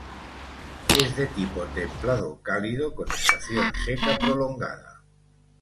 Es de tipo templado cálido con estación seca prolongada.